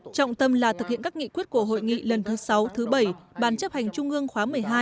trọng tâm là thực hiện các nghị quyết của hội nghị lần thứ sáu thứ bảy bàn chấp hành trung ương khóa một mươi hai